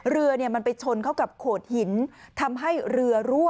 เรือมันไปชนเข้ากับโขดหินทำให้เรือรั่ว